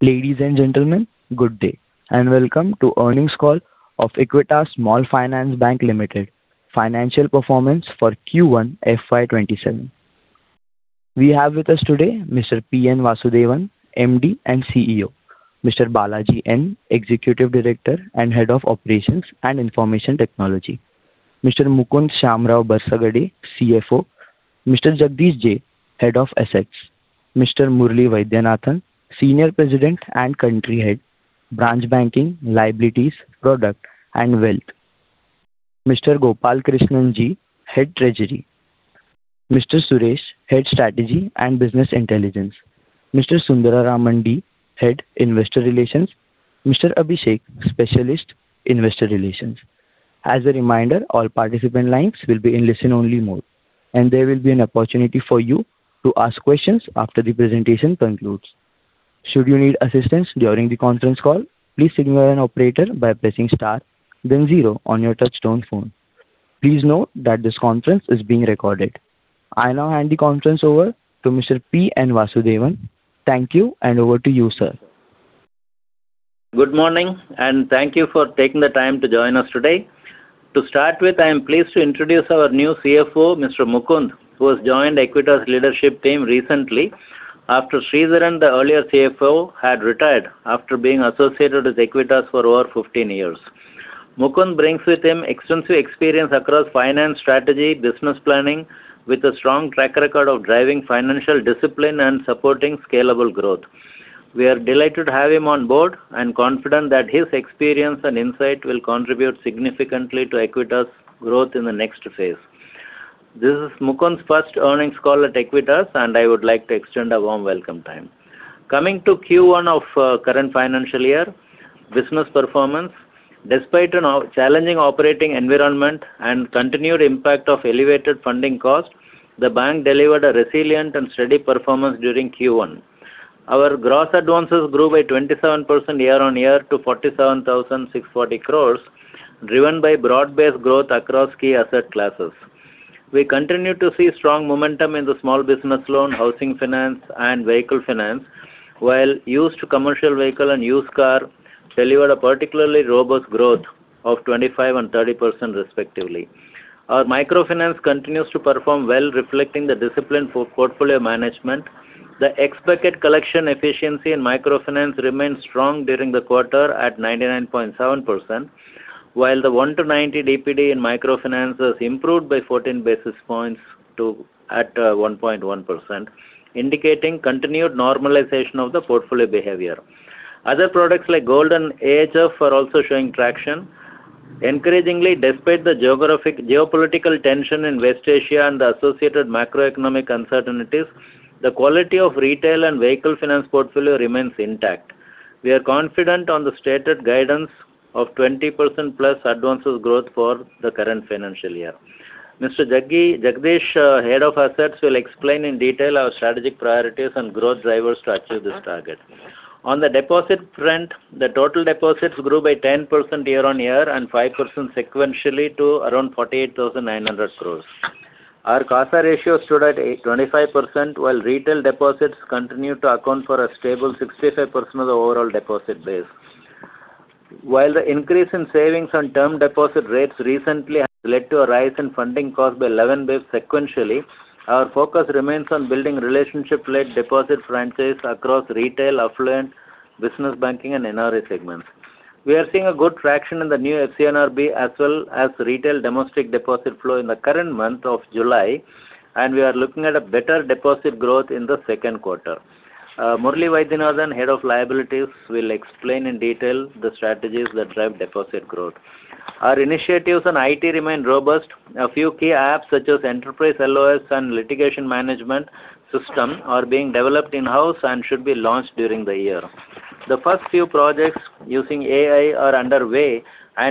Ladies and gentlemen, good day, and welcome to earnings call of Equitas Small Finance Bank Limited, financial performance for Q1 FY 2027. We have with us today Mr. P N Vasudevan, MD and CEO, Mr. Balaji N., Executive Director and Head of Operations and Information Technology, Mr. Mukund Shyamrao Barsagade, CFO, Mr. Jagadesh J., Head of Assets, Mr. Murali Vaidyanathan, Senior President and Country Head, Branch Banking, Liabilities, Product and Wealth, Mr. Gopalakrishnan G., Head Treasury, Mr. Suresh, Head Strategy and Business Intelligence, Mr. Sundararaman D., Head Investor Relations, Mr. Abeshek, Specialist Investor Relations. As a reminder, all participant lines will be in listen-only mode, and there will be an opportunity for you to ask questions after the presentation concludes. Should you need assistance during the conference call, please signal an operator by pressing star then zero on your touchtone phone. Please note that this conference is being recorded. I now hand the conference over to Mr. P N Vasudevan. Thank you, and over to you, sir. Good morning. Thank you for taking the time to join us today. To start with, I am pleased to introduce our new CFO, Mr. Mukund, who has joined Equitas leadership team recently after Sridharan, the earlier CFO, had retired after being associated with Equitas for over 15 years. Mukund brings with him extensive experience across finance strategy, business planning, with a strong track record of driving financial discipline and supporting scalable growth. We are delighted to have him on board and confident that his experience and insight will contribute significantly to Equitas growth in the next phase. This is Mukund's first earnings call at Equitas. I would like to extend a warm welcome to him. Coming to Q1 of current financial year, business performance. Despite a challenging operating environment and continued impact of elevated funding costs, the bank delivered a resilient and steady performance during Q1. Our gross advances grew by 27% year-on-year to 47,640 crores, driven by broad-based growth across key asset classes. We continue to see strong momentum in the small business loan, housing finance, and vehicle finance, while used commercial vehicle and used car delivered a particularly robust growth of 25% and 30%, respectively. Our microfinance continues to perform well, reflecting the discipline for portfolio management. The expected collection efficiency in microfinance remained strong during the quarter at 99.7%, while the one to 90 DPD in microfinance has improved by 14 basis points at 1.1%, indicating continued normalization of the portfolio behavior. Other products like Gold and AHF are also showing traction. Encouragingly, despite the geopolitical tension in West Asia and the associated macroeconomic uncertainties, the quality of retail and vehicle finance portfolio remains intact. We are confident on the stated guidance of 20%+ advances growth for the current financial year. Mr. Jagadesh, Head of Assets, will explain in detail our strategic priorities and growth drivers to achieve this target. On the deposit front, the total deposits grew by 10% year-on-year and 5% sequentially to around 48,900 crore. Our CASA ratio stood at 25%, while retail deposits continue to account for a stable 65% of the overall deposit base. While the increase in savings and term deposit rates recently has led to a rise in funding cost by 11 basis points sequentially, our focus remains on building relationship-led deposit franchise across retail, affluent, business banking and NRI segments. We are seeing a good traction in the new FCNR as well as retail domestic deposit flow in the current month of July, we are looking at a better deposit growth in the second quarter. Murali Vaidyanathan, Head of Liabilities, will explain in detail the strategies that drive deposit growth. Our initiatives on IT remain robust. A few key apps, such as Enterprise LOS and Litigation Management System, are being developed in-house and should be launched during the year. The first few projects using AI are underway,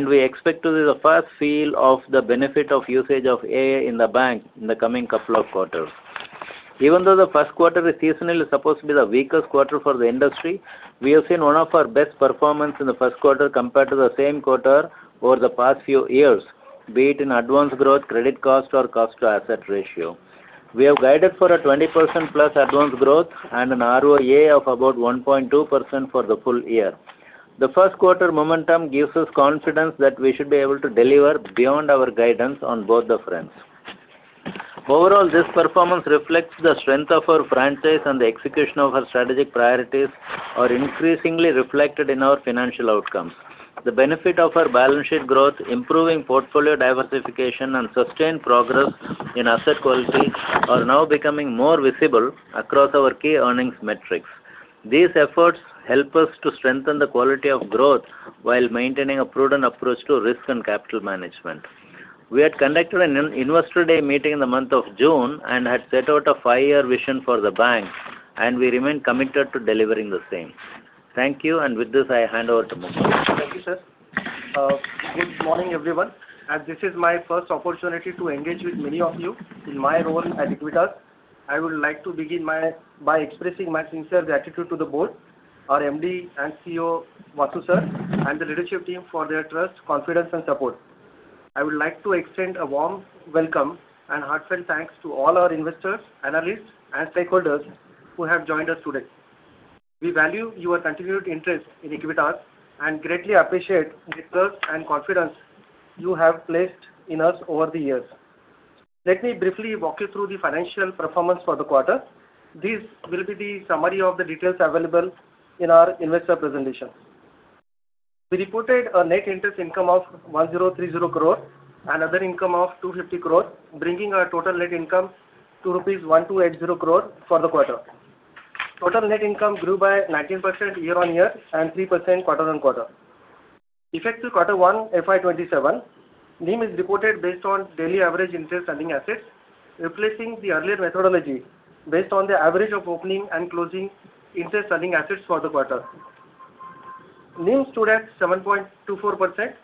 we expect to see the first feel of the benefit of usage of AI in the bank in the coming couple of quarters. Even though the first quarter is seasonally supposed to be the weakest quarter for the industry, we have seen one of our best performance in the first quarter compared to the same quarter over the past few years, be it in advance growth, credit cost, or cost to asset ratio. We have guided for a 20%+ advance growth and an ROA of about 1.2% for the full year. The first quarter momentum gives us confidence that we should be able to deliver beyond our guidance on both the fronts. Overall, this performance reflects the strength of our franchise, the execution of our strategic priorities are increasingly reflected in our financial outcomes. The benefit of our balance sheet growth, improving portfolio diversification, and sustained progress in asset quality are now becoming more visible across our key earnings metrics. These efforts help us to strengthen the quality of growth while maintaining a prudent approach to risk and capital management. We had conducted an investor day meeting in the month of June and had set out a five-year vision for the bank, we remain committed to delivering the same. Thank you. With this, I hand over to Mukund. Thank you, sir. Good morning, everyone, this is my first opportunity to engage with many of you in my role at Equitas. I would like to begin by expressing my sincere gratitude to the board, our MD and CEO, Vasu, sir, and the leadership team for their trust, confidence, and support. I would like to extend a warm welcome and heartfelt thanks to all our investors, analysts, and stakeholders who have joined us today. We value your continued interest in Equitas and greatly appreciate the trust and confidence you have placed in us over the years. Let me briefly walk you through the financial performance for the quarter. This will be the summary of the details available in our investor presentation. We reported a net interest income of 1,030 crore and other income of 250 crore, bringing our total net income to rupees 1,280 crore for the quarter. Total net income grew by 19% year-on-year and 3% quarter-on-quarter. Effective quarter one, FY 2027, NIM is reported based on daily average interest earning assets, replacing the earlier methodology based on the average of opening and closing interest earning assets for the quarter. NIM stood at 7.24%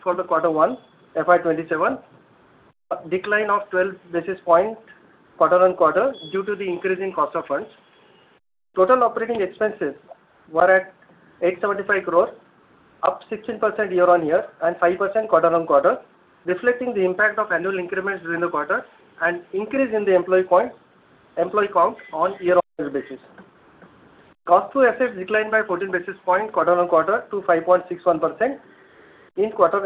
for the quarter one, FY 2027, a decline of 12 basis points quarter-on-quarter due to the increase in cost of funds. Total operating expenses were at 875 crore, up 16% year-on-year and 5% quarter-on-quarter, reflecting the impact of annual increments during the quarter and increase in the employee count on year-on-year basis. Cost to assets declined by 14 basis points quarter-on-quarter to 5.61% in quarter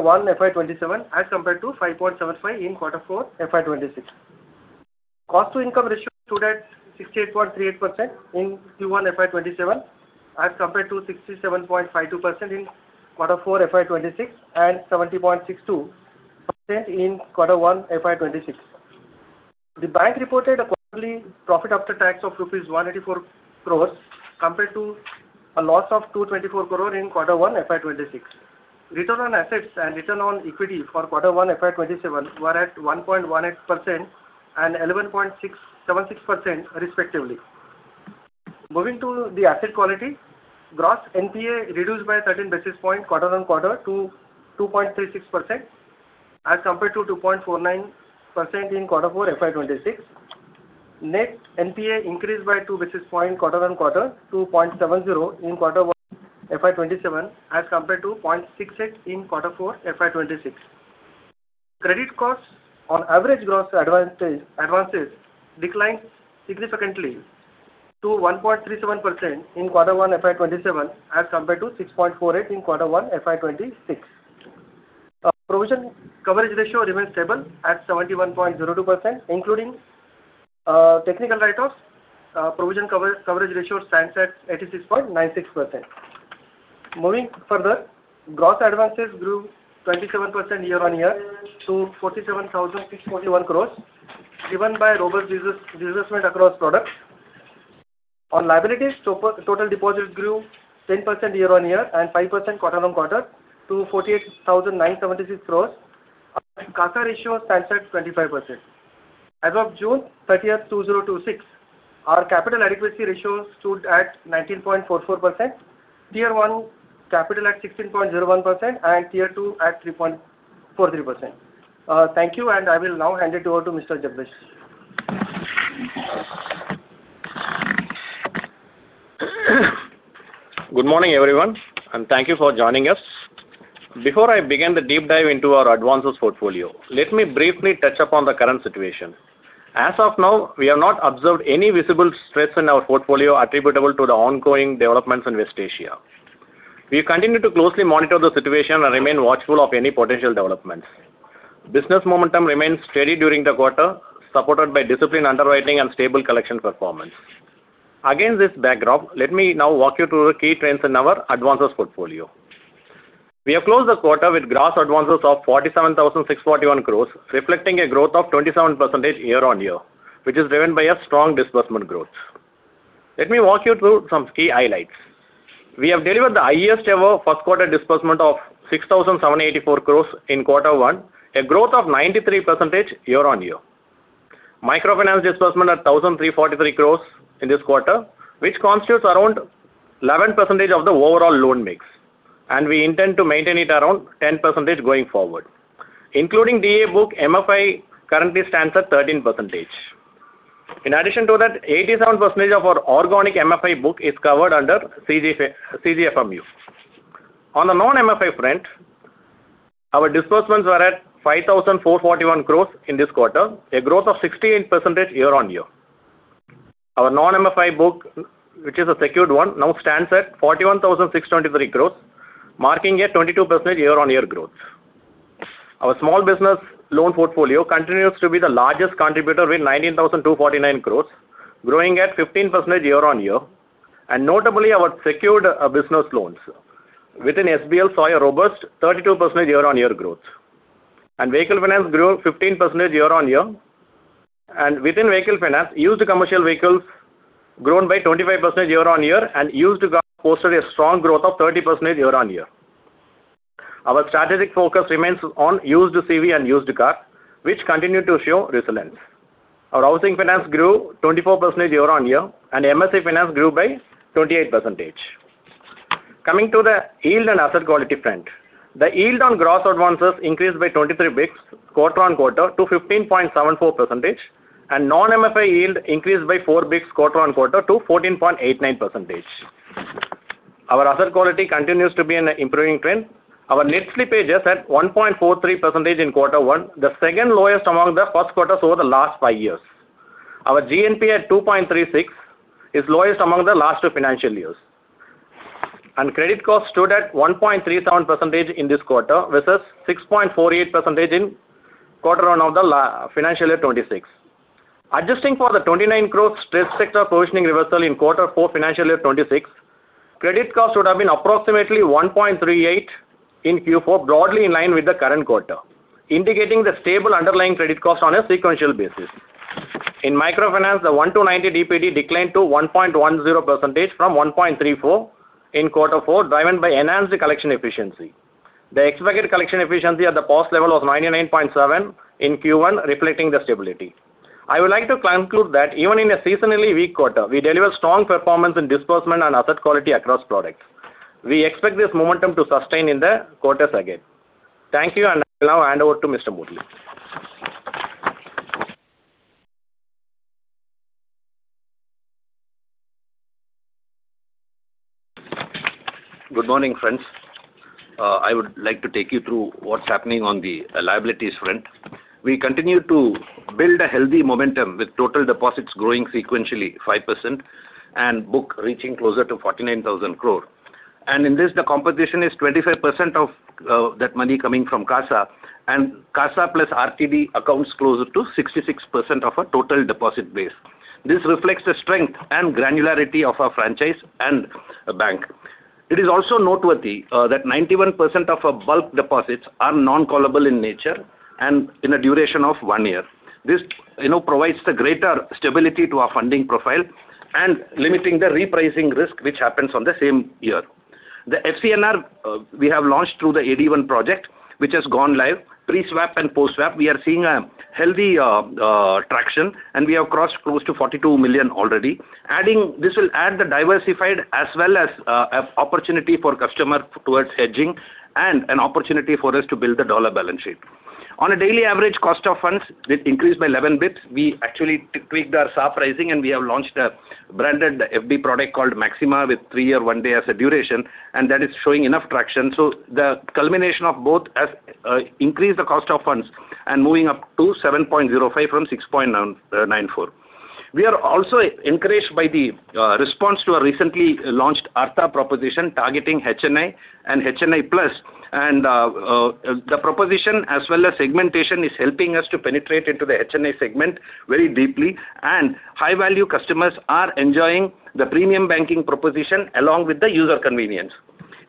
one, FY 2027, as compared to 5.75% in quarter four, FY 2026. Cost to income ratio stood at 68.38% in Q1, FY 2027, as compared to 67.52% in quarter four, FY 2026, and 70.62% in quarter one, FY 2026. The bank reported a quarterly profit after tax of rupees 184 crore compared to a loss of 224 crore in quarter one, FY 2026. Return on assets and return on equity for quarter one, FY 2027 were at 1.18% and 11.76% respectively. Moving to the asset quality. Gross NPA reduced by 13 basis points quarter-on-quarter to 2.36%, as compared to 2.49% in quarter four, FY 2026. Net NPA increased by two basis points quarter-on-quarter to 0.70% in quarter one, FY 2027, as compared to 0.68% in quarter four, FY 2026. Credit costs on average gross advances declined significantly to 1.37% in quarter one, FY 2027, as compared to 6.48% in quarter one, FY 2026. Provision coverage ratio remains stable at 71.02%, including technical write-offs. Provision coverage ratio stands at 86.96%. Moving further. Gross advances grew 27% year-on-year to 47,641 crore, driven by robust disbursement across products. On liabilities, total deposits grew 10% year-on-year and 5% quarter-on-quarter to 48,976 crore and CASA ratio stands at 25%. As of June 30th, 2026, our capital adequacy ratio stood at 19.44%, Tier 1 capital at 16.01%, and Tier 2 at 3.43%. Thank you, and I will now hand it over to Mr. Jagadesh. Good morning, everyone, and thank you for joining us. Before I begin the deep dive into our advances portfolio, let me briefly touch upon the current situation. As of now, we have not observed any visible stress in our portfolio attributable to the ongoing developments in West Asia. We continue to closely monitor the situation and remain watchful of any potential developments. Business momentum remained steady during the quarter, supported by disciplined underwriting and stable collection performance. Against this backdrop, let me now walk you through the key trends in our advances portfolio. We have closed the quarter with gross advances of 47,641 crore, reflecting a growth of 27% year-on-year, which is driven by a strong disbursement growth. Let me walk you through some key highlights. We have delivered the highest ever first quarter disbursement of 6,784 crore in quarter one, a growth of 93% year-on-year. Microfinance disbursement at 1,343 crore in this quarter, which constitutes around 11% of the overall loan mix, and we intend to maintain it around 10% going forward. Including DA book, MFI currently stands at 13%. 87% of our organic MFI book is covered under CGFMU. On the non-MFI front, our disbursements were at 5,441 crore in this quarter, a growth of 68% year-on-year. Our non-MFI book, which is a secured one, now stands at 41,623 crore, marking a 22% year-on-year growth. Our small business loan portfolio continues to be the largest contributor with 19,249 crore, growing at 15% year-on-year. Notably, our secured business loans within SBL saw a robust 32% year-on-year growth. Vehicle finance grew 15% year-on-year. Within vehicle finance, used commercial vehicles grown by 25% year-on-year and used car posted a strong growth of 30% year-on-year. Our strategic focus remains on used CV and used car, which continue to show resilience. Our housing finance grew 24% year-on-year, and MSE finance grew by 28%. Coming to the yield and asset quality front. The yield on gross advances increased by 23 basis points quarter-on-quarter to 15.74%, and non-MFI yield increased by 4 basis points quarter-on-quarter to 14.89%. Our asset quality continues to be in an improving trend. Our net slippage is at 1.43% in quarter one, the second lowest among the first quarters over the last five years. Our GNPA at 2.36% is lowest among the last two financial years. Credit cost stood at 1.37% in this quarter versus 6.48% in quarter one of the financial year 2026. Adjusting for the 29 crore stress sector provisioning reversal in Q4 financial year 2026, credit cost would have been approximately 1.38% in Q4, broadly in line with the current quarter, indicating the stable underlying credit cost on a sequential basis. In microfinance, the 1-90 DPD declined to 1.10% from 1.34% in quarter four, driven by enhanced collection efficiency. The expected collection efficiency at the past level was 99.7% in Q1, reflecting the stability. I would like to conclude that even in a seasonally weak quarter, we deliver strong performance in disbursement and asset quality across products. We expect this momentum to sustain in the quarters again. Thank you, and now I hand over to Mr. Murali. Good morning, friends. I would like to take you through what's happening on the liabilities front. We continue to build a healthy momentum with total deposits growing sequentially 5%, and book reaching closer to 49,000 crore. In this, the composition is 25% of that money coming from CASA, and CASA plus RTD accounts closer to 66% of our total deposit base. This reflects the strength and granularity of our franchise and bank. It is also noteworthy that 91% of our bulk deposits are non-callable in nature and in a duration of one year. This provides greater stability to our funding profile and limiting the repricing risk which happens on the same year. The FCNR we have launched through the AD1 project, which has gone live. Pre-swap and post-swap, we are seeing a healthy traction and we have crossed close to $42 million already. This will add the diversified as well as opportunity for customer towards hedging and an opportunity for us to build the USD balance sheet. On a daily average cost of funds, it increased by 11 basis points. We actually tweaked our soft pricing and we have launched a branded FD product called Maxima with three year one day as a duration, that is showing enough traction. The culmination of both has increased the cost of funds and moving up to 7.05% from 6.94%. We are also encouraged by the response to our recently launched ARTHA proposition targeting HNI and HNI plus, the proposition as well as segmentation is helping us to penetrate into the HNI segment very deeply and high-value customers are enjoying the premium banking proposition along with the user convenience.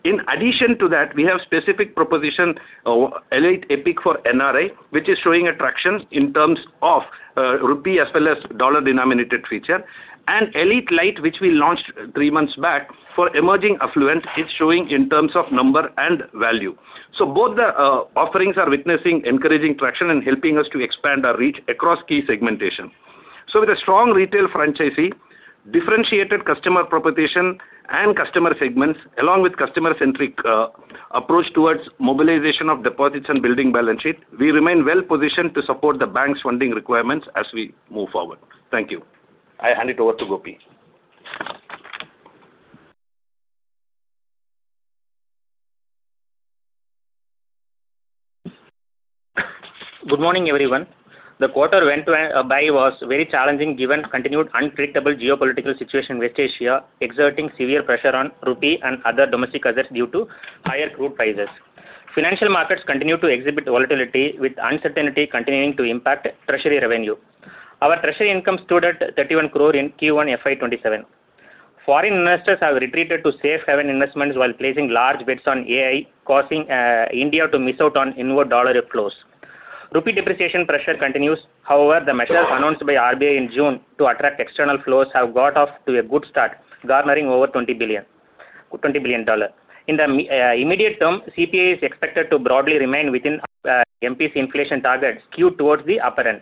In addition to that, we have specific proposition, Elite Epic for NRI, which is showing attractions in terms of INR as well as USD denominated feature, Elite Lite, which we launched three months back for emerging affluent, it's showing in terms of number and value. Both the offerings are witnessing encouraging traction and helping us to expand our reach across key segmentation. With a strong retail franchisee, differentiated customer proposition and customer segments, along with customer-centric approach towards mobilization of deposits and building balance sheet, we remain well-positioned to support the bank's funding requirements as we move forward. Thank you. I hand it over to Gopi. Good morning, everyone. The quarter went by was very challenging given continued unpredictable geopolitical situation in West Asia, exerting severe pressure on INR and other domestic assets due to higher crude prices. Financial markets continue to exhibit volatility with uncertainty continuing to impact treasury revenue. Our treasury income stood at 31 crore in Q1 FY 2027. Foreign investors have retreated to safe haven investments while placing large bets on AI, causing India to miss out on inward USD outflows. INR depreciation pressure continues. However, the measures announced by RBI in June to attract external flows have got off to a good start, garnering over $20 billion. In the immediate term, CPI is expected to broadly remain within MPC inflation targets skewed towards the upper end.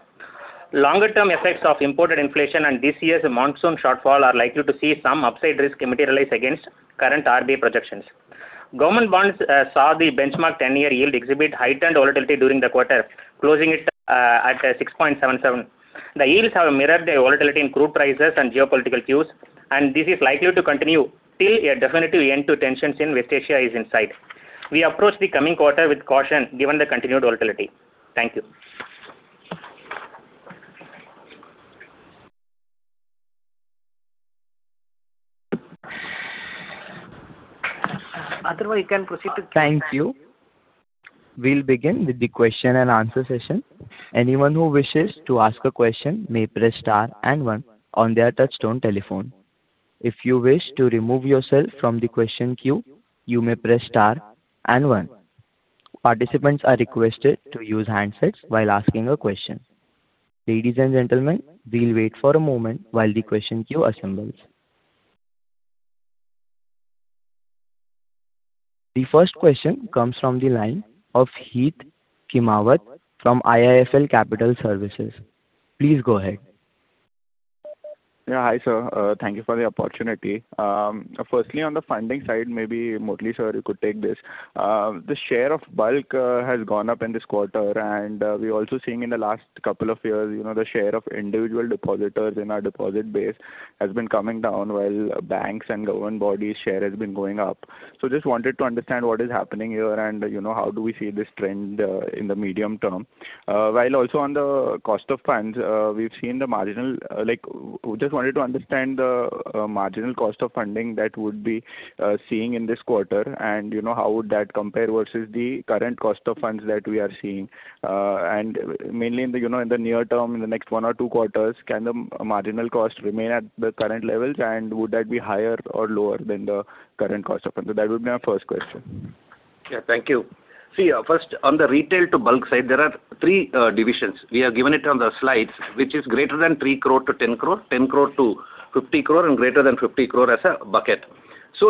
Longer term effects of imported inflation and this year's monsoon shortfall are likely to see some upside risk materialize against current RBI projections. Government bonds saw the benchmark 10-year yield exhibit heightened volatility during the quarter, closing it at 6.77. The yields have mirrored the volatility in crude prices and geopolitical cues, this is likely to continue till a definitive end to tensions in West Asia is in sight. We approach the coming quarter with caution given the continued volatility. Thank you. Thank you. We'll begin with the question and answer session. Anyone who wishes to ask a question may press star and one on their touchtone telephone. If you wish to remove yourself from the question queue, you may press star and one. Participants are requested to use handsets while asking a question. Ladies and gentlemen, we'll wait for a moment while the question queue assembles. The first question comes from the line of Heet Khimawat from IIFL Capital Services. Please go ahead. Yeah. Hi, sir. Thank you for the opportunity. Firstly, on the funding side, maybe Murali, sir, you could take this. The share of bulk has gone up in this quarter, we're also seeing in the last couple of years, the share of individual depositors in our deposit base has been coming down while banks and government bodies share has been going up. Just wanted to understand what is happening here and how do we see this trend in the medium term. Also on the cost of funds, we just wanted to understand the marginal cost of funding that would be seeing in this quarter and how would that compare versus the current cost of funds that we are seeing. Mainly in the near term, in the next one or two quarters, can the marginal cost remain at the current levels and would that be higher or lower than the current cost of funds? That would be my first question. Yeah, thank you. first on the retail to bulk side, there are three divisions. We have given it on the slides, which is greater than 3 crore-10 crore, 10 crore-50 crore, and greater than 50 crore as a bucket.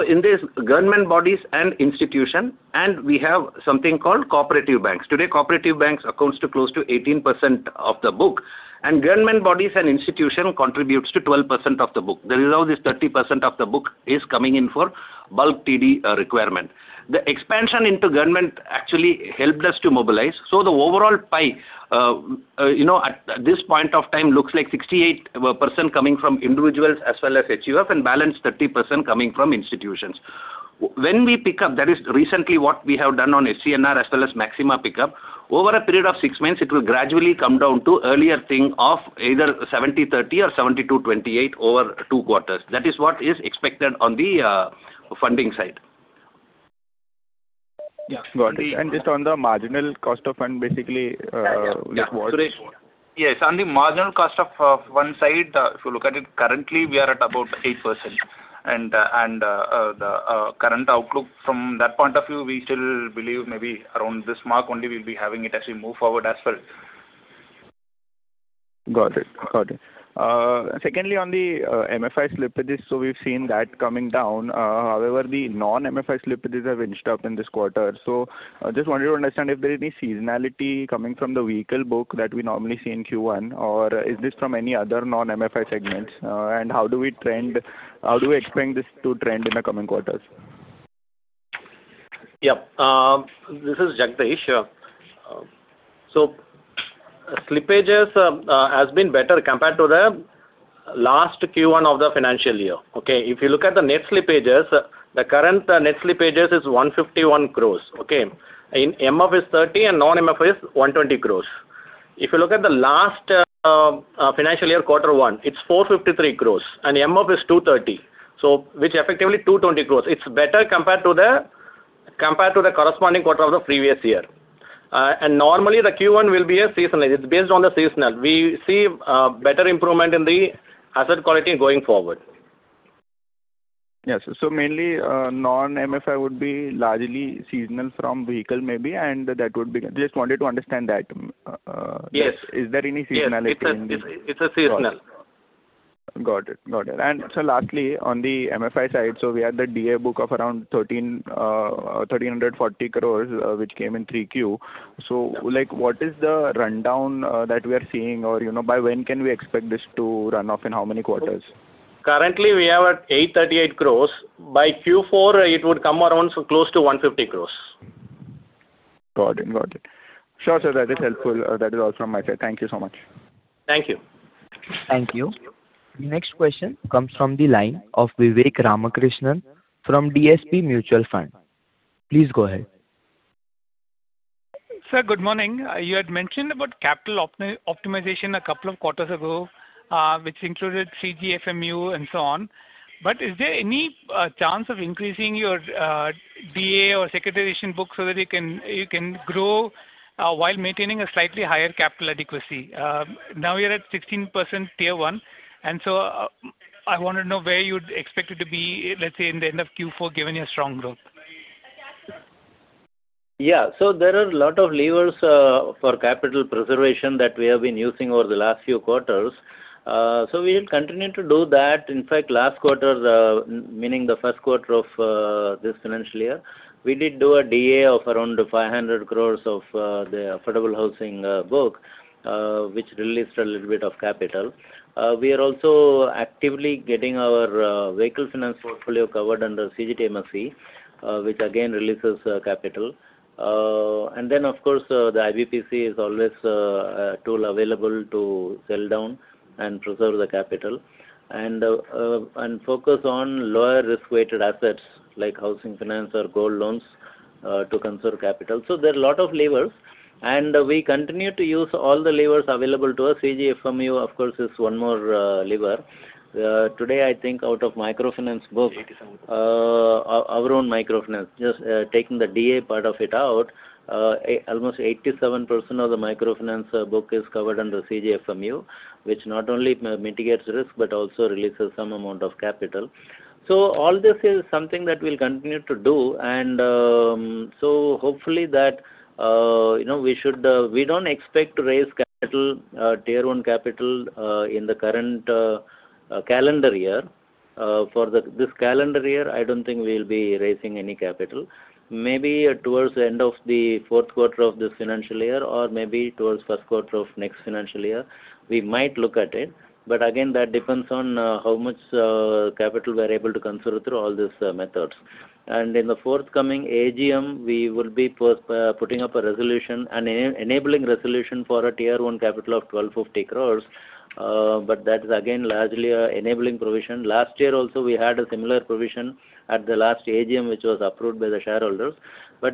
in this, government bodies and institution, and we have something called cooperative banks. Today, cooperative banks accounts to close to 18% of the book, and government bodies and institution contributes to 12% of the book. That is how this 30% of the book is coming in for bulk TD requirement. The expansion into government actually helped us to mobilize. the overall pie, at this point of time, looks like 68% coming from individuals as well as HUF and balance 30% coming from institutions. When we pick up, that is recently what we have done on FCNR as well as Maxima pickup, over a period of six months, it will gradually come down to earlier thing of either 70/30 or 72/28 over two quarters. That is what is expected on the funding side. Yeah. Got it. just on the marginal cost of fund. Yeah. Sure. Yes, on the marginal cost of one side, if you look at it, currently we are at about 8%. The current outlook from that point of view, we still believe maybe around this mark only we'll be having it as we move forward as well. Got it. Secondly, on the MFI slippages, we've seen that coming down. However, the non-MFI slippages have inched up in this quarter. Just wanted to understand if there is any seasonality coming from the vehicle book that we normally see in Q1, or is this from any other non-MFI segments? How do we expect this to trend in the coming quarters? Yep. This is Jagadesh. Slippages has been better compared to the last Q1 of the financial year. Okay? If you look at the net slippages, the current net slippages is 151 crores. Okay? In MFI is 30 crores and non-MFI is 120 crores. If you look at the last financial year, quarter one, it's 453 crores and MFI is 230 crores. Which effectively 220 crores. It's better compared to the corresponding quarter of the previous year. Normally, the Q1 will be a seasonal. It's based on the seasonal. We see better improvement in the asset quality going forward. Yes. Mainly, non-MFI would be largely seasonal from vehicle maybe. Just wanted to understand that. Yes. Is there any seasonality in the- Yes, it's a seasonal. Got it. Lastly, on the MFI side, so we had the DA book of around 1,340 crores, which came in 3Q. What is the rundown that we are seeing, or by when can we expect this to run off, in how many quarters? Currently, we are at 838 crores. By Q4, it would come around close to 150 crores. Got it. Sure, sir. That is helpful. That is all from my side. Thank you so much. Thank you. Thank you. The next question comes from the line of Vivek Ramakrishnan from DSP Mutual Fund. Please go ahead. Sir, good morning. You had mentioned about capital optimization a couple of quarters ago, which included CGFMU and so on. Is there any chance of increasing your DA or securitization book so that you can grow while maintaining a slightly higher capital adequacy? Now you're at 16% Tier 1, and so I want to know where you'd expect it to be, let's say, in the end of Q4, given your strong growth. There are a lot of levers for capital preservation that we have been using over the last few quarters. We will continue to do that. In fact, last quarter, meaning the first quarter of this financial year, we did do a DA of around 500 crore of the affordable housing book, which released a little bit of capital. We are also actively getting our vehicle finance portfolio covered under CGTMSE, which again releases capital. Of course, the IBPC is always a tool available to sell down and preserve the capital and focus on lower risk-weighted assets like housing finance or gold loans to conserve capital. There are a lot of levers, and we continue to use all the levers available to us. CGFMU, of course, is one more lever. Today, I think out of microfinance book, our own microfinance, just taking the DA part of it out, almost 87% of the microfinance book is covered under CGFMU, which not only mitigates risk but also releases some amount of capital. All this is something that we'll continue to do. Hopefully that we don't expect to raise Tier 1 capital in the current calendar year. For this calendar year, I don't think we'll be raising any capital. Maybe towards the end of the fourth quarter of this financial year, or maybe towards first quarter of next financial year, we might look at it. Again, that depends on how much capital we are able to conserve through all these methods. In the forthcoming AGM, we will be putting up an enabling resolution for a Tier 1 capital of 1,250 crore. That is again, largely enabling provision. Last year also, we had a similar provision at the last AGM, which was approved by the shareholders.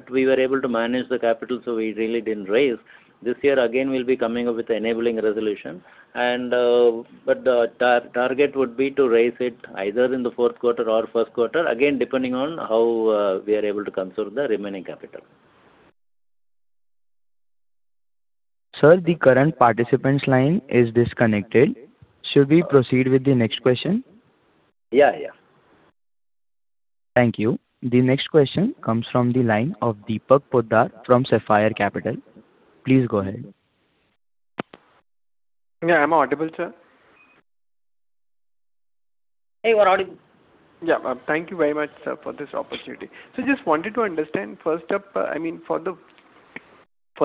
We were able to manage the capital, so we really didn't raise. This year, again, we'll be coming up with enabling resolution. The target would be to raise it either in the fourth quarter or first quarter, again, depending on how we are able to conserve the remaining capital. Sir, the current participant's line is disconnected. Should we proceed with the next question? Yeah. Thank you. The next question comes from the line of Deepak Poddar from Sapphire Capital. Please go ahead. Yeah. Am I audible, sir? Hey, you are audible. Yeah. Thank you very much, sir, for this opportunity. Just wanted to understand, first up, for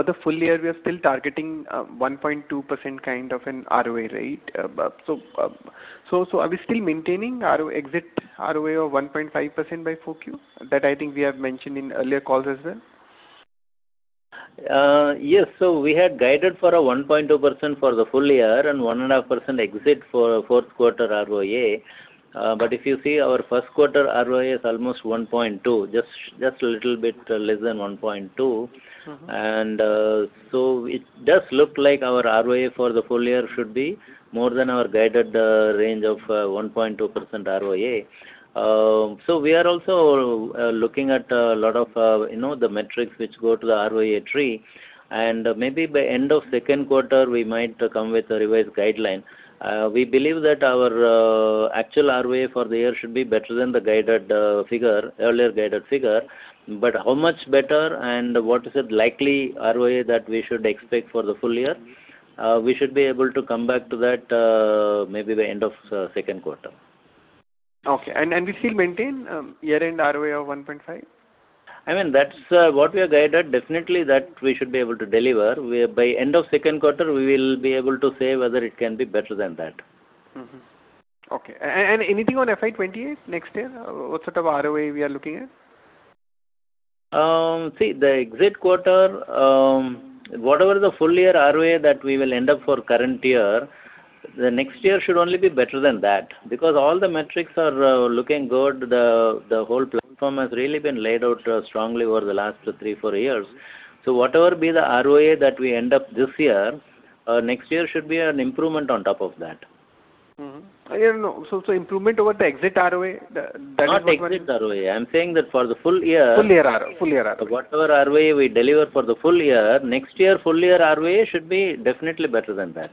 the full year, we are still targeting 1.2% kind of an ROA rate. Are we still maintaining exit ROA of 1.5% by Q4? That I think we have mentioned in earlier calls as well. Yes. We had guided for a 1.2% for the full year and 1.5% exit for our fourth quarter ROA. If you see, our first quarter ROA is almost 1.2%, just a little bit less than 1.2%. It does look like our ROA for the full year should be more than our guided range of 1.2% ROA. We are also looking at a lot of the metrics which go to the ROA tree, and maybe by end of second quarter, we might come with a revised guideline. We believe that our actual ROA for the year should be better than the earlier guided figure. How much better and what is the likely ROA that we should expect for the full year, we should be able to come back to that maybe by end of second quarter. Okay. We still maintain year-end ROA of 1.5%? What we have guided, definitely that we should be able to deliver. By end of second quarter, we will be able to say whether it can be better than that. Mm-hmm. Okay. Anything on FY 2028 next year? What sort of ROA we are looking at? The exit quarter, whatever the full year ROA that we will end up for current year, the next year should only be better than that. All the metrics are looking good. The whole platform has really been laid out strongly over the last three, four years. Whatever be the ROA that we end up this year, next year should be an improvement on top of that. Mm-hmm. Improvement over the exit ROA? Not exit ROA. I'm saying that for the full year. Full year ROA. ROA we deliver for the full year, next year full year ROA should be definitely better than that.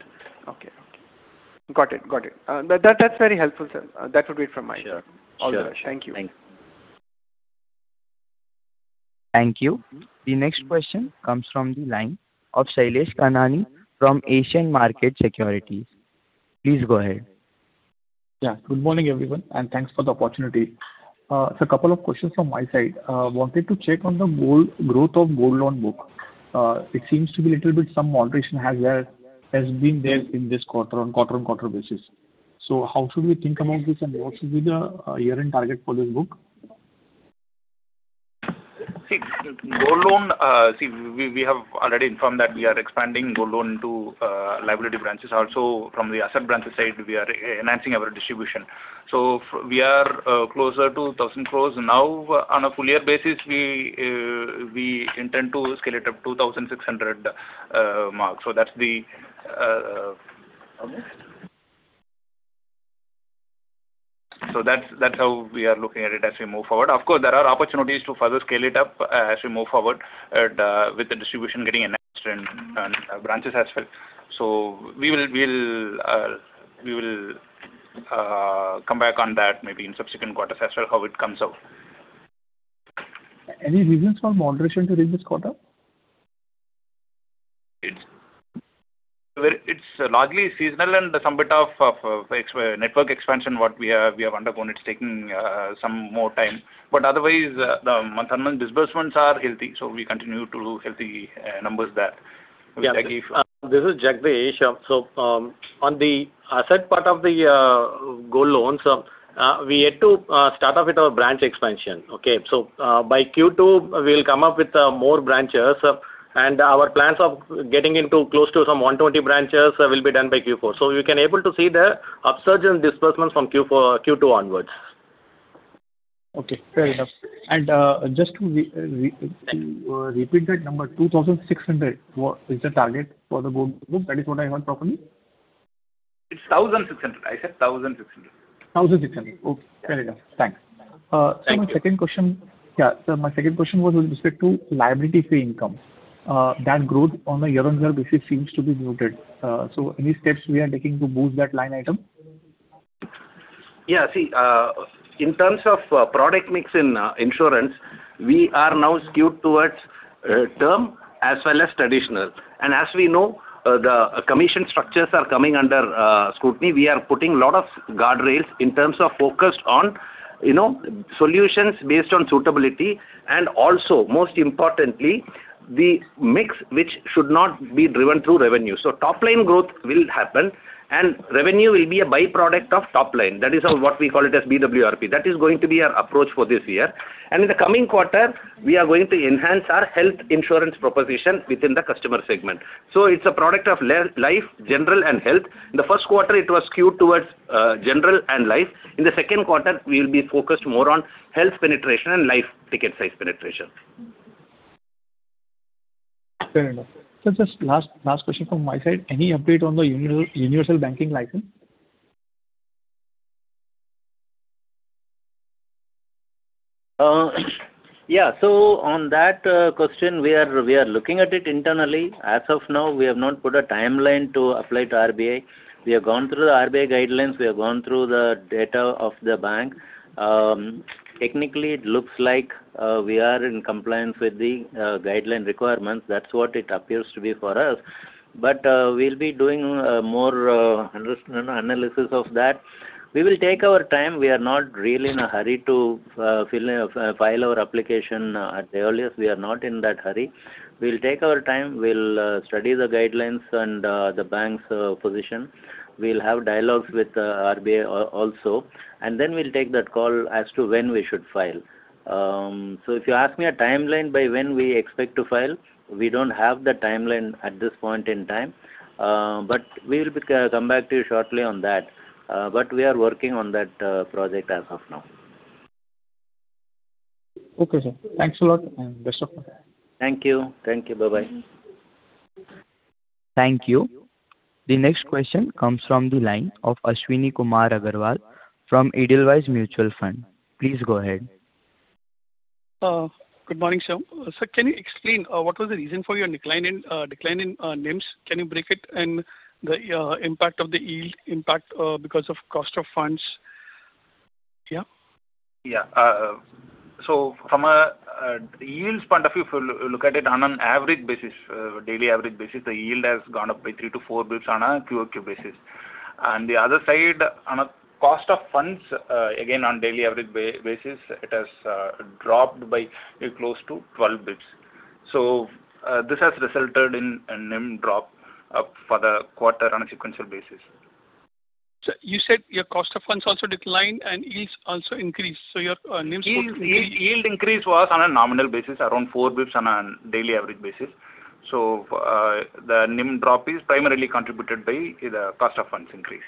Got it. That's very helpful, sir. That would be it from my end. Sure. All the best. Thank you. Thanks. Thank you. The next question comes from the line of Shailesh Kanani from Asian Markets Securities. Please go ahead. Good morning, everyone, and thanks for the opportunity. Sir, a couple of questions from my side. Wanted to check on the growth of gold loan book. It seems to be little bit some moderation has been there in this quarter, on quarter-on-quarter basis. How should we think about this and what should be the year-end target for this book? Gold loan, we have already informed that we are expanding gold loan to liability branches also. From the asset branches side, we are enhancing our distribution. We are closer to 1,000 crores now. On a full year basis, we intend to scale it up to 1,600 crores mark. That's how we are looking at it as we move forward. Of course, there are opportunities to further scale it up as we move forward with the distribution getting enhanced and branches as well. We will come back on that maybe in subsequent quarters as well, how it comes out. Any reasons for moderation during this quarter? It's largely seasonal and some bit of network expansion, what we have undergone. It's taking some more time. Otherwise, the month-on-month disbursements are healthy, we continue to do healthy numbers there. Jagadesh J. This is Jagadesh J. On the asset part of the gold loans, we had to start off with our branch expansion. Okay? By Q2, we'll come up with more branches and our plans of getting into close to some 120 branches will be done by Q4. You can able to see the upsurge in disbursements from Q2 onwards. Okay, fair enough. Just to repeat that number, 2,600 is the target for the gold book? That is what I heard properly? It's 1,600. I said 1,600. 1,600. Okay, fair enough. Thanks. Thank you. Sir, my second question was with respect to liability fee income. That growth on a year-on-year basis seems to be muted. Any steps we are taking to boost that line item? Yeah. In terms of product mix in insurance, we are now skewed towards term as well as traditional. As we know, the commission structures are coming under scrutiny. We are putting a lot of guardrails in terms of focus on solutions based on suitability, and also, most importantly, the mix which should not be driven through revenue. Top-line growth will happen and revenue will be a byproduct of top-line. That is what we call BWRP. That is going to be our approach for this year. In the coming quarter, we are going to enhance our health insurance proposition within the customer segment. It's a product of life, general and health. In the first quarter it was skewed towards general and life. In the second quarter, we will be focused more on health penetration and life ticket size penetration. Fair enough. Just last question from my side. Any update on the universal banking license? Yeah. On that question, we are looking at it internally. As of now, we have not put a timeline to apply to RBI. We have gone through the RBI guidelines. We have gone through the data of the bank. Technically, it looks like we are in compliance with the guideline requirements. That's what it appears to be for us. We'll be doing more analysis of that. We will take our time. We are not really in a hurry to file our application at the earliest. We are not in that hurry. We'll take our time. We'll study the guidelines and the bank's position. We'll have dialogues with RBI also, then we'll take that call as to when we should file. If you ask me a timeline by when we expect to file, we don't have the timeline at this point in time. We will come back to you shortly on that. We are working on that project as of now. Okay, sir. Thanks a lot and best of luck. Thank you. Bye-bye. Thank you. The next question comes from the line of Ashwani Kumar Agarwalla from Edelweiss Mutual Fund. Please go ahead. Good morning, [Shyam]. Sir, can you explain what was the reason for your decline in NIMs? Can you break it and the impact of the yield impact because of cost of funds? Yeah. From a yields point of view, if you look at it on an average basis, daily average basis, the yield has gone up by three to 4 basis points on a QoQ basis. On the other side, on a cost of funds, again on daily average basis, it has dropped by close to 12 basis points. This has resulted in a NIM drop for the quarter on a sequential basis. Sir, you said your cost of funds also declined and yields also increased, your NIMs- Yield increase was on a nominal basis, around four basis points on a daily average basis. The NIM drop is primarily contributed by the cost of funds increase.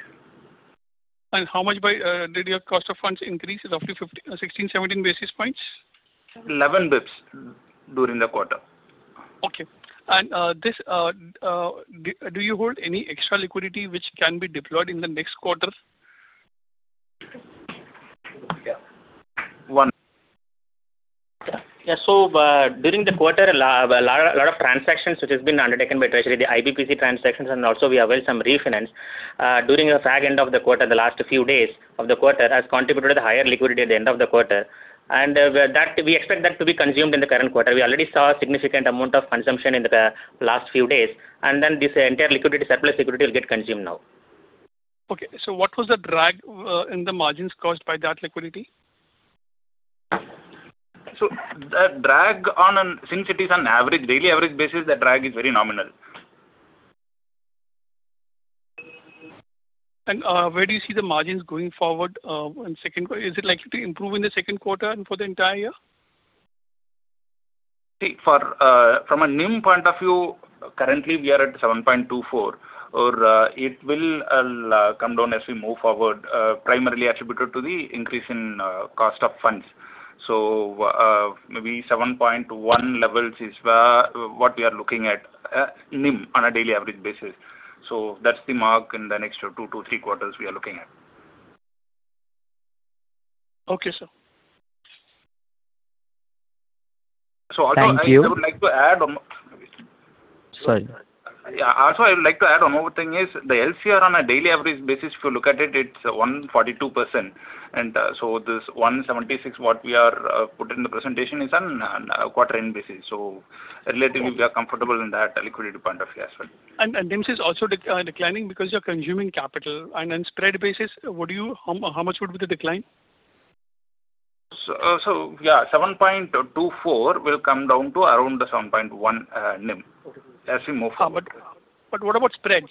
How much did your cost of funds increase? Roughly 16, 17 basis points? 11 basis points during the quarter. Okay. Do you hold any extra liquidity which can be deployed in the next quarter? Yeah. Yeah. During the quarter, a lot of transactions which has been undertaken by Treasury, the IBPC transactions and also we have some refinance. During the fag end of the quarter, the last few days of the quarter has contributed to the higher liquidity at the end of the quarter. We expect that to be consumed in the current quarter. We already saw a significant amount of consumption in the last few days, and then this entire liquidity surplus security will get consumed now. Okay, what was the drag in the margins caused by that liquidity? Since it is on daily average basis, the drag is very nominal. Where do you see the margins going forward? Is it likely to improve in the second quarter and for the entire year? From a NIM point of view, currently we are at 7.24%, or it will come down as we move forward, primarily attributed to the increase in cost of funds. Maybe 7.1% levels is what we are looking at NIM on a daily average basis. That's the mark in the next two to three quarters we are looking at. Okay, sir. Also, I would like to add. Sorry. Also, I would like to add one more thing is the LCR on a daily average basis, if you look at it is 142%. This 176, what we have put in the presentation is on a quarter-end basis. Relatively we are comfortable in that liquidity point of view as well. NIMs is also declining because you are consuming capital. On spread basis, how much would be the decline? Yeah, 7.24% will come down to around the 7.1% NIM as we move forward. What about spreads?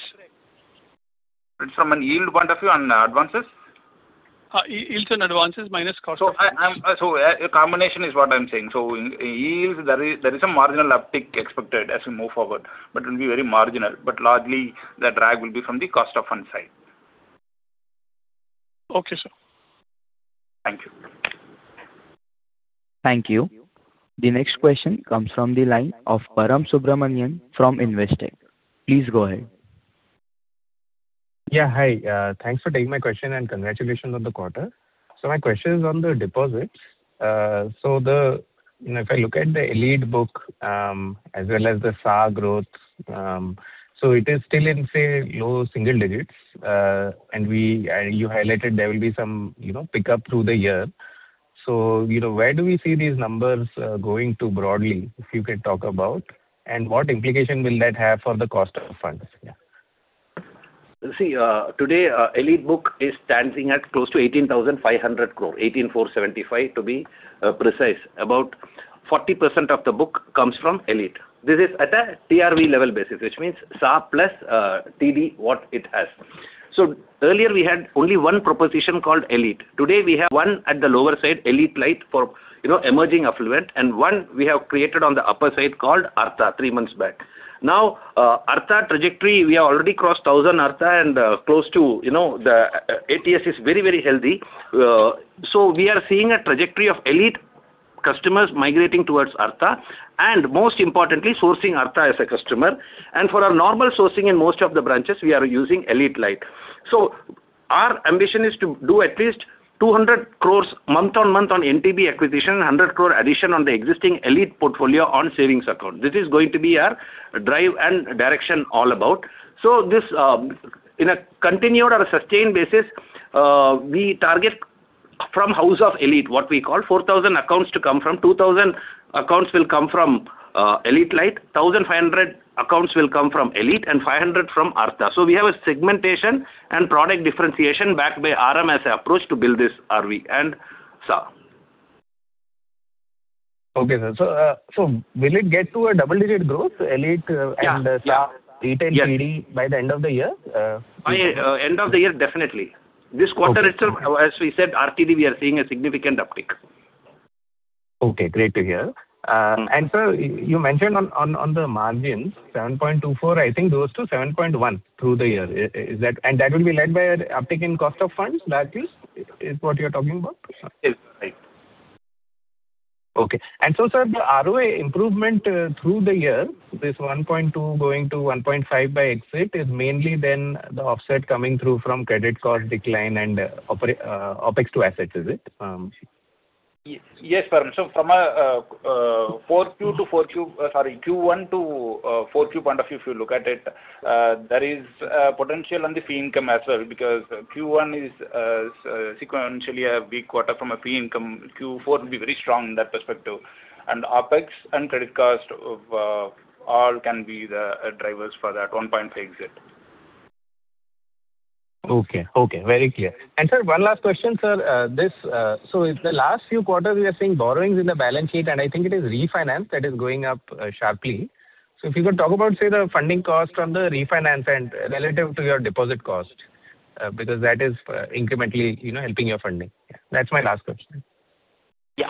From a yield point of view on advances? Yields on advances minus cost of funds. A combination is what I'm saying. Yields, there is a marginal uptick expected as we move forward, but it will be very marginal. Largely the drag will be from the cost of funds side. Okay, sir. Thank you. Thank you. The next question comes from the line of Param Subramanian from Investec. Please go ahead. Hi. Thanks for taking my question and congratulations on the quarter. My question is on the deposits. If I look at the Elite book as well as the SA growth, it is still in, say, low single digits. You highlighted there will be some pickup through the year. Where do we see these numbers going to broadly, if you could talk about, and what implication will that have for the cost of funds? Today, Elite book is standing at close to 18,500 crore. 18,475 to be precise. About 40% of the book comes from Elite. This is at a CRV level basis, which means SA plus TD, what it has. Earlier we had only one proposition called Elite. Today we have one at the lower side, Elite Lite, for emerging affluent, and one we have created on the upper side called ARTHA, three months back. ARTHA trajectory, we have already crossed 1,000 ARTHA and close to the ATS is very healthy. We are seeing a trajectory of Elite customers migrating towards ARTHA and, most importantly, sourcing ARTHA as a customer. For our normal sourcing in most of the branches, we are using Elite Lite. Our ambition is to do at least 200 crore month on month on NTB acquisition, 100 crore addition on the existing Elite portfolio on savings account. This is going to be our drive and direction all about. This, in a continued or a sustained basis, we target from House of Elite, what we call, 4,000 accounts to come from. 2,000 accounts will come from Elite Lite, 1,500 accounts will come from Elite and 500 from ARTHA. We have a segmentation and product differentiation backed by RMS approach to build this RV and SA. Okay, sir. Will it get to a double-digit growth, Elite and SA, Elite and TD by the end of the year? By end of the year, definitely. This quarter itself, as we said, RTD, we are seeing a significant uptick. Okay, great to hear. Sir, you mentioned on the margins, 7.24% I think goes to 7.1% through the year. That will be led by an uptick in cost of funds, largely, is what you're talking about? Yes, right. Okay. Sir, the ROA improvement through the year, this 1.2% going to 1.5% by exit is mainly then the offset coming through from credit cost decline and OpEx to assets, is it? Yes, Param. From Q1 to 4Q point of view if you look at it, there is potential on the fee income as well because Q1 is sequentially a big quarter from a fee income. Q4 will be very strong in that perspective. OpEx and credit cost all can be the drivers for that 1.5 exit. Okay. Very clear. Sir, one last question. In the last few quarters, we are seeing borrowings in the balance sheet, and I think it is refinance that is going up sharply. If you could talk about, say, the funding cost from the refinance and relative to your deposit cost, because that is incrementally helping your funding. That's my last question. The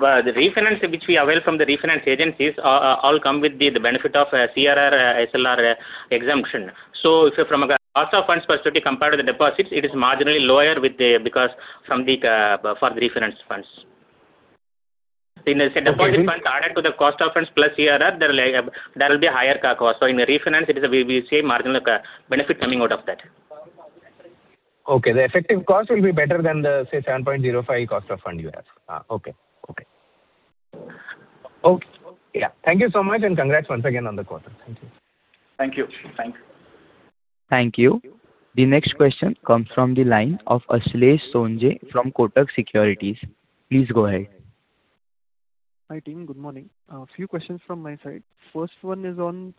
refinance which we avail from the refinance agencies, all come with the benefit of CRR, SLR exemption. If from a cost of funds perspective compared to the deposits, it is marginally lower for the refinance funds. In the deposit funds added to the cost of funds plus CRR, there will be a higher cost. In the refinance, we see a marginal benefit coming out of that. Okay. The effective cost will be better than the, say, 7.05% cost of fund you have. Okay. Yeah. Thank you so much. Congrats once again on the quarter. Thank you. Thank you. Thank you. The next question comes from the line of Ashlesh Sonje from Kotak Securities. Please go ahead. Hi, team. Good morning. A few questions from my side. First one is on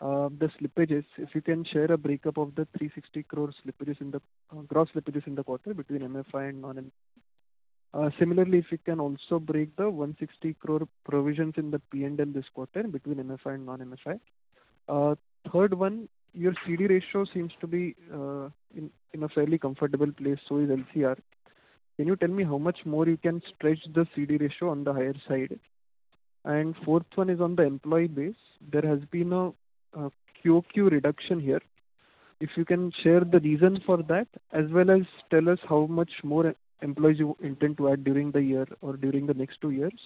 the slippages. If you can share a breakup of the 360 crores slippages, gross slippages in the quarter between MFI and non-MFI. Similarly, if you can also break the 160 crore provisions in the P&L this quarter between MFI and non-MFI. Third one, your CD ratio seems to be in a fairly comfortable place, so is LCR. Can you tell me how much more you can stretch the CD ratio on the higher side? Fourth one is on the employee base. There has been a QoQ reduction here. If you can share the reason for that, as well as tell us how much more employees you intend to add during the year or during the next two years,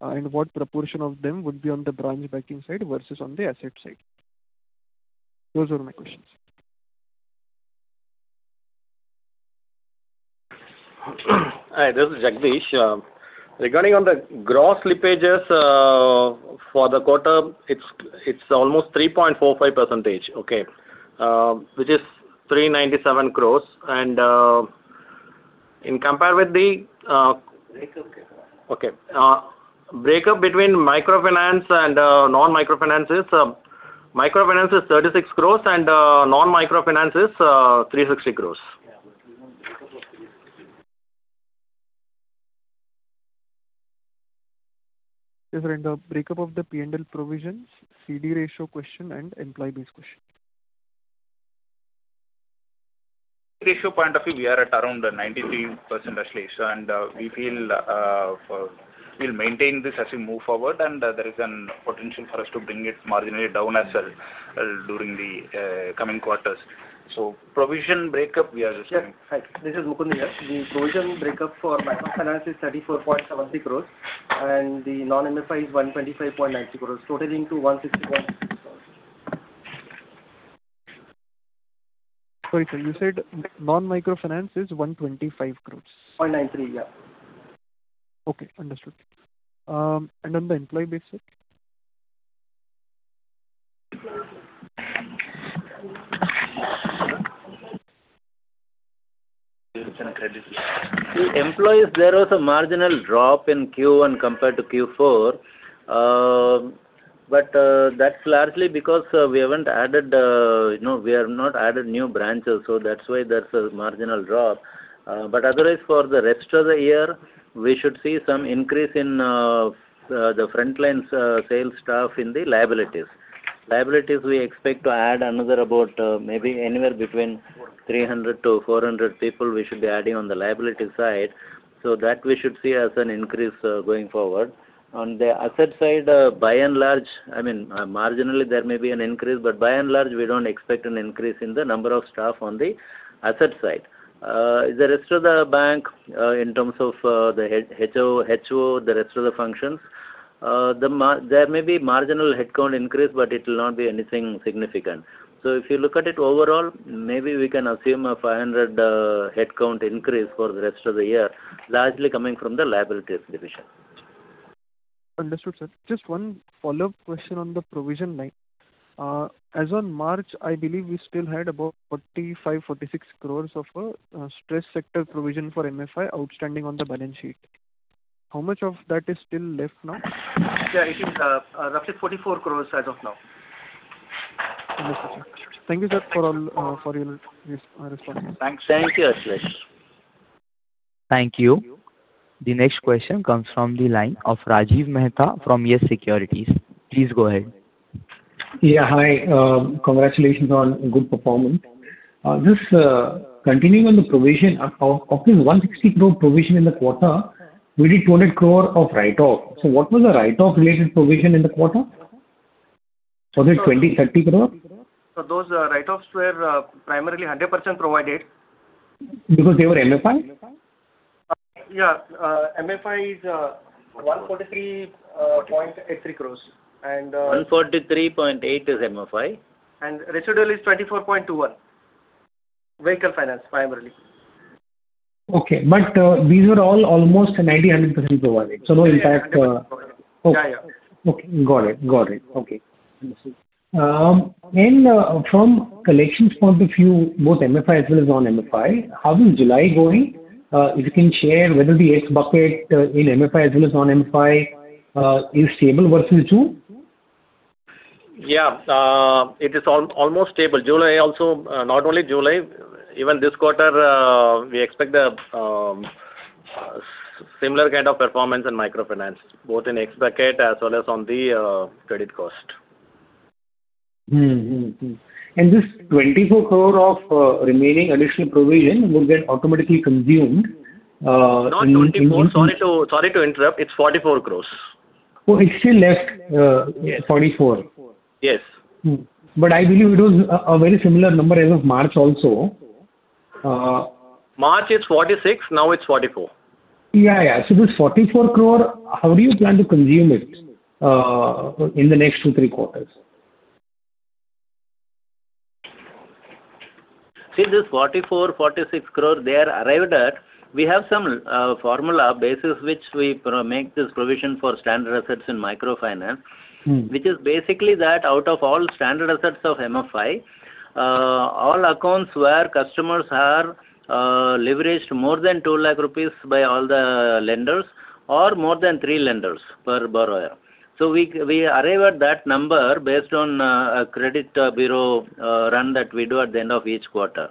and what proportion of them would be on the branch banking side versus on the asset side. Those are my questions. Hi, this is Jagadesh J. Regarding on the gross slippages for the quarter, it's almost 3.45%. Okay. Which is 397 crore. Breakup. Breakup between microfinance and non-microfinance is microfinance is 36 crore and non-microfinance is 360 crore. Yes, sir, the breakup of the P&L provisions, CD ratio question, and employee base question. Ratio point of view, we are at around 93%, Ashlesh. We feel we'll maintain this as we move forward and there is a potential for us to bring it marginally down as well during the coming quarters. Provision breakup, we are assuming. Sir, hi. This is Mukund here. The provision breakup for microfinance is 34.73 crores and the non-MFI is 125.93 crores, totaling to 160.66 crores. Sorry, sir, you said non-microfinance is 125 crores. 125.93, yeah. Okay, understood. On the employee basis? In employees, there was a marginal drop in Q1 compared to Q4. That's largely because we have not added new branches, so that's why there's a marginal drop. Otherwise, for the rest of the year, we should see some increase in the front lines sales staff in the liabilities. Liabilities, we expect to add another about maybe anywhere between 300people-400 people we should be adding on the liability side. That we should see as an increase going forward. On the asset side, marginally there may be an increase, but by and large, we don't expect an increase in the number of staff on the asset side. The rest of the bank, in terms of the HO, the rest of the functions, there may be marginal headcount increase, but it will not be anything significant. If you look at it overall, maybe we can assume a 500 headcount increase for the rest of the year, largely coming from the liabilities division. Understood, sir. Just one follow-up question on the provision line. As on March, I believe we still had about 45 crore-46 crore of stress sector provision for MFI outstanding on the balance sheet. How much of that is still left now? Yeah, it is roughly 44 crore as of now. Understood, sir. Thank you, sir, for your response. Thank you, Ashlesh. Thank you. The next question comes from the line of Rajiv Mehta from YES Securities. Please go ahead. Hi. Congratulations on good performance. Just continuing on the provision of this 160 crore provision in the quarter, we did 200 crore of write-off. What was the write-off related provision in the quarter? Was it 20, 30 crore? Sir, those write-offs were primarily 100% provided. They were MFI? Yeah. MFI is 143.83 crores. 143.8 is MFI. Residual is 24.21. Vehicle finance, primarily. Okay. These were all almost 90%-100% provided. Yeah. Okay. Got it. Okay. Understood. From collections point of view, both MFI as well as non-MFI, how is July going? If you can share whether the X bucket in MFI as well as non-MFI is stable versus June? Yeah. It is almost stable. Not only July, even this quarter, we expect a similar kind of performance in microfinance, both in X bucket as well as on the credit cost. Mm-hmm. This 24 crore of remaining additional provision will get automatically consumed. Not 24. Sorry to interrupt. It's 44 crores. Oh, it's still left? Yes. 44. Yes. I believe it was a very similar number as of March also. March, it's 46 crore. Now, it's 44 crore. Yeah. This 44 crore, how do you plan to consume it in the next two, three quarters? See, this 44 crore-46 crore, they are arrived at. We have some formula basis which we make this provision for standard assets in microfinance. Which is basically that out of all standard assets of MFI, all accounts where customers are leveraged more than 200,000 rupees by all the lenders or more than three lenders per borrower. We arrive at that number based on a credit bureau run that we do at the end of each quarter.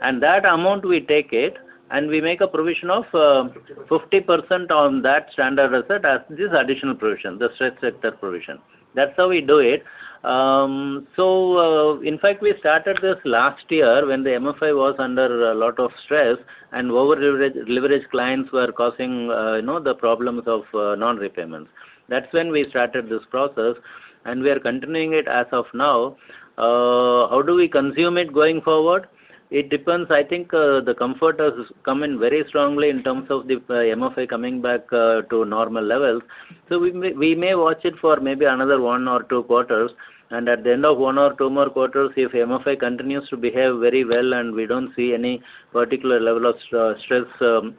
That amount, we take it, and we make a provision of 50% on that standard asset as this additional provision, the stress sector provision. That's how we do it. In fact, we started this last year when the MFI was under a lot of stress and over-leveraged clients were causing the problems of non-repayments. That's when we started this process, and we are continuing it as of now. How do we consume it going forward? It depends. I think the comfort has come in very strongly in terms of the MFI coming back to normal levels. We may watch it for maybe another one or two quarters, and at the end of one or two more quarters, if MFI continues to behave very well and we don't see any particular level of stress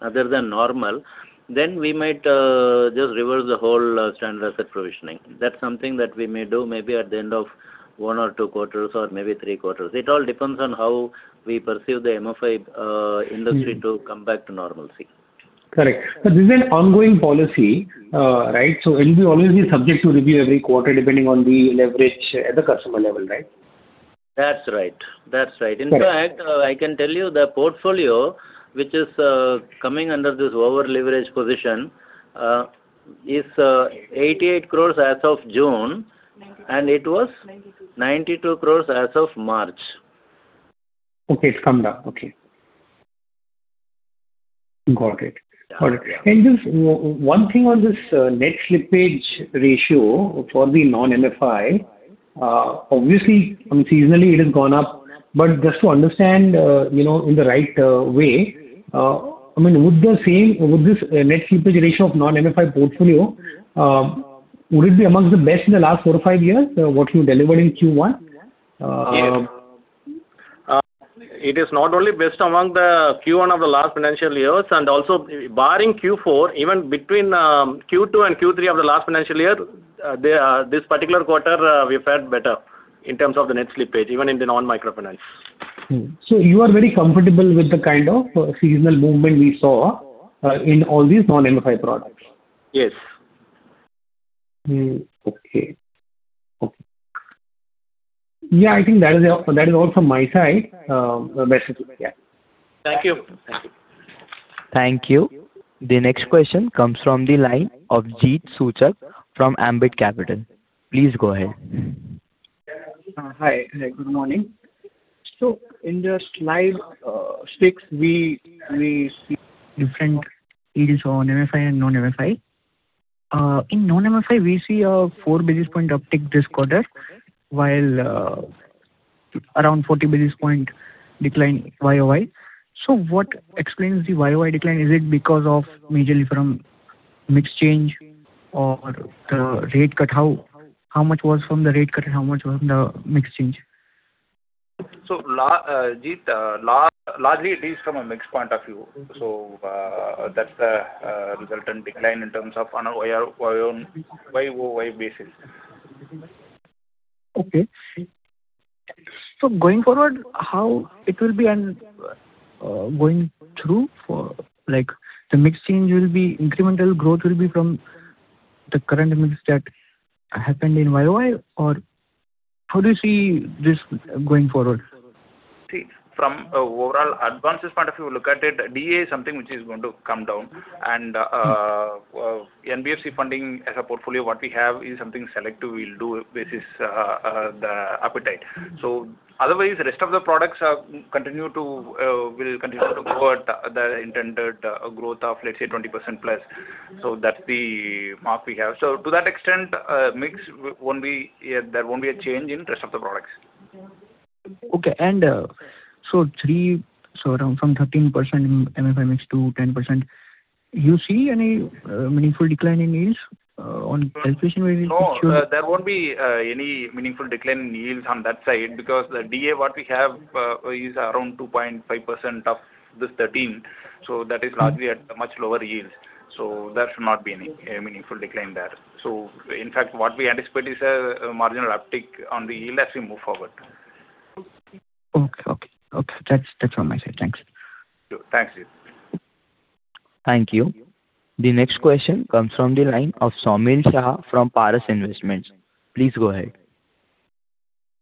other than normal, we might just reverse the whole standard asset provisioning. That's something that we may do maybe at the end of one or two quarters, or maybe three quarters. It all depends on how we perceive the MFI industry to come back to normalcy. Correct. This is an ongoing policy, right? It will always be subject to review every quarter, depending on the leverage at the customer level, right? That's right. Correct. In fact, I can tell you the portfolio which is coming under this over-leveraged position is 88 crore as of June, and it was 92 crore as of March. Okay. It's come down. Okay. Got it. Yeah. One thing on this net slippage ratio for the non-MFI, obviously, I mean, seasonally, it has gone up. Just to understand in the right way, would this net slippage ratio of non-MFI portfolio Would it be amongst the best in the last four or five years, what you delivered in Q1? Yes. It is not only best among the Q1 of the last financial years, also barring Q4, even between Q2 and Q3 of the last financial year, this particular quarter we've fared better in terms of the net slippage, even in the non-microfinance. You are very comfortable with the kind of seasonal movement we saw in all these non-MFI products? Yes. Okay. I think that is all from my side. Best wishes. Thank you. Thank you. The next question comes from the line of Jeet Suchak from Ambit Capital. Please go ahead. Hi. Good morning. In the slide six, we see different yields on MFI and non-MFI. In non-MFI, we see a four basis point uptick this quarter while around 40 basis point decline YOY. What explains the YOY decline? Is it because of majorly from mix change or the rate cut? How much was from the rate cut and how much was from the mix change? Jeet, largely it is from a mix point of view. That's the resultant decline in terms of on a YOY basis. Okay. Going forward, how it will be going through? The mix change will be, incremental growth will be from the current mix that happened in YOY, or how do you see this going forward? See, from overall advances point of view, look at it, DA is something which is going to come down, NBFC funding as a portfolio, what we have is something selective we'll do based the appetite. Otherwise, rest of the products will continue to grow at the intended growth of, let's say, 20%+. That's the mark we have. To that extent, mix, there won't be a change in rest of the products. Okay. From 13% in MFI mix to 10%, you see any meaningful decline in yields on calculation where you- No, there won't be any meaningful decline in yields on that side because the DA, what we have is around 2.5% of this 13. That is largely at a much lower yield. There should not be any meaningful decline there. In fact, what we anticipate is a marginal uptick on the yield as we move forward. Okay. That's all my side. Thanks. Sure. Thanks, Jeet. Thank you. The next question comes from the line of Saumil Shah from Paras Investments. Please go ahead.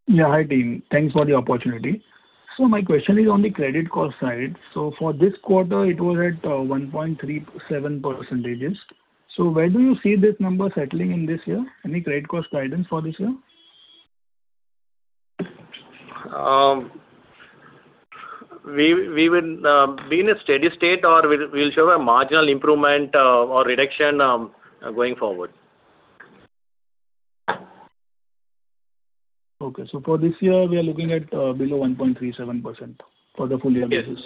Yeah, hi, team. Thanks for the opportunity. My question is on the credit cost side. For this quarter, it was at 1.37%. Where do you see this number settling in this year? Any credit cost guidance for this year? We will be in a steady state or we will show a marginal improvement or reduction going forward. Okay. For this year, we are looking at below 1.37% for the full year basis.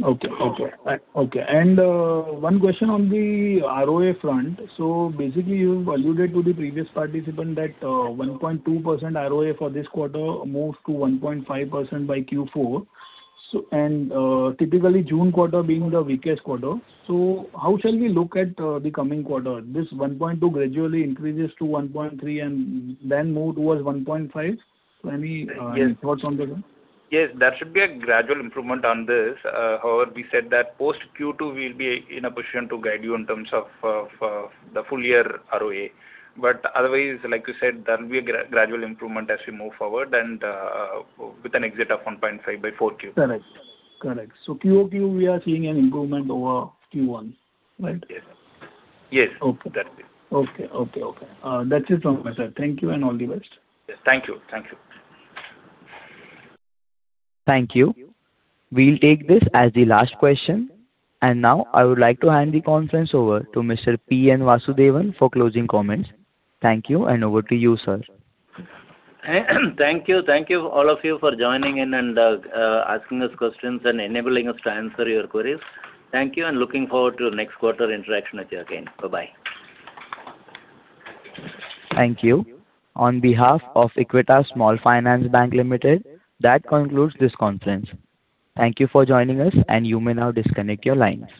Yes. Okay. One question on the ROA front. Basically, you alluded to the previous participant that 1.2% ROA for this quarter moves to 1.5% by Q4. Typically, June quarter being the weakest quarter. How shall we look at the coming quarter? This 1.2% gradually increases to 1.3% and then move towards 1.5%? Yes. Thoughts on that one? Yes, there should be a gradual improvement on this. However, we said that post Q2 we will be in a position to guide you in terms of the full year ROA. Otherwise, like you said, there will be a gradual improvement as we move forward and with an exit of 1.5% by Q4. Correct. Quarter-over-quarter, we are seeing an improvement over Q1, right? Yes. Okay. That's it. Okay. That's it from my side. Thank you, and all the best. Yes. Thank you. Thank you. We'll take this as the last question. Now I would like to hand the conference over to Mr. P N Vasudevan for closing comments. Thank you, and over to you, sir. Thank you. Thank you all of you for joining in and asking us questions and enabling us to answer your queries. Thank you, and looking forward to next quarter interaction with you again. Bye-bye. Thank you. On behalf of Equitas Small Finance Bank Limited, that concludes this conference. Thank you for joining us, and you may now disconnect your line.